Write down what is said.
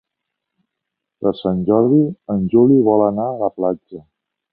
Per Sant Jordi en Juli vol anar a la platja.